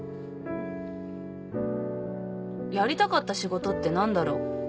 やりたかった仕事って何だろ？